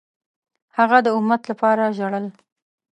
هغه د امت لپاره ژړل.